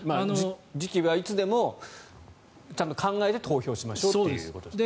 時期はいつでも考えて投票しましょうということですね。